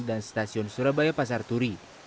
dan stasiun surabaya pasar turi